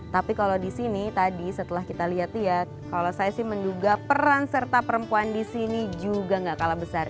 tapi kalau di sini tadi setelah kita lihat lihat kalau saya sih menduga peran serta perempuan di sini juga gak kalah besar